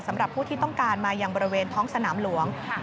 สำหรับผู้ที่ต้องการมายังบริเวณท้องสนามหลวง